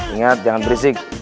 ingat jangan berisik